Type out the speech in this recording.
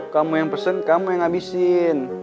kamu yang pesen kamu yang ngabisin